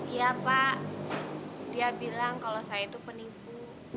iya pak dia bilang kalau saya itu penipu